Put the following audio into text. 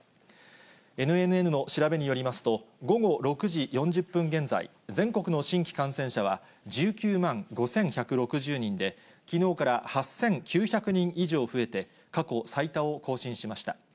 ＮＮＮの調べによりますと、午後６時４０分現在、全国の新規感染者は１９万５１６０人で、きのうから８９００人以上増えて、過去最多を更新しました。